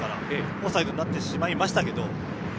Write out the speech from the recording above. オフサイドになってしまいましたけど。